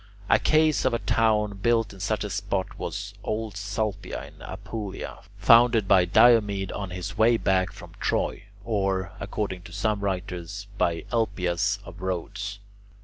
A case of a town built in such a spot was Old Salpia in Apulia, founded by Diomede on his way back from Troy, or, according to some writers, by Elpias of Rhodes.